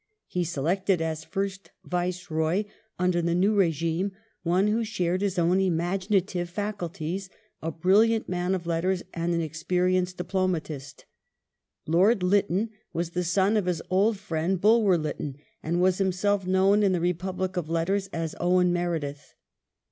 He Lytton selected as first Viceroy under the new regime one who shared his appointed ...„,..,,.^„, to succeed own imagmative faculties, a bnlhant man of letters, and an expen ^^"^ enced diplomatist. Lord Lytton was the son of his old friend Bulwer Lytton, and was himself known in the republic of letters as " Owen Meredith